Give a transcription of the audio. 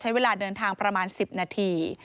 ใช้เวลาเดินทางประมาณ๑๐นาที